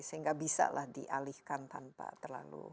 sehingga bisalah dialihkan tanpa terlalu